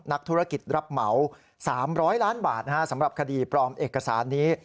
นักธุรกิจรับเหมา๓๐๐ล้านบาทสำหรับคดีปลอมเอกสารนี้